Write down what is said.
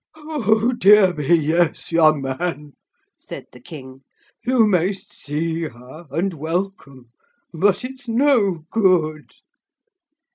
'Oh dear me yes, young man,' said the King, 'you may see her and welcome, but it's no good.'